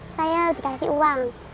saya dikasih uang